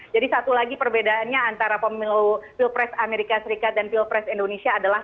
jadi satu lagi perbedaannya antara pemilu pilpres amerika serikat dan pilpres indonesia adalah